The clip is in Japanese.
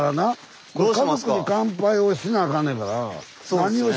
「家族に乾杯」をせなあかんねんから。